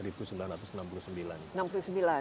jadi cukup lama ibu